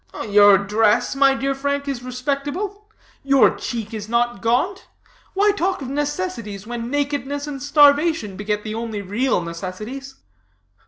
"Your dress, my dear Frank, is respectable; your cheek is not gaunt. Why talk of necessities when nakedness and starvation beget the only real necessities?"